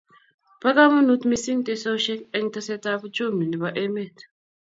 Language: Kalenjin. Pa kamanut mising teksosiek eng tesetaet ab uchumi nebo emet